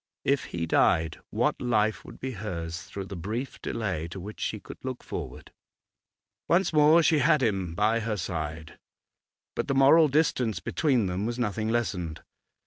If he died, what life would be hers through the brief delay to which she could look forward? Once more she had him by her side, but the moral distance between them was nothing lessened.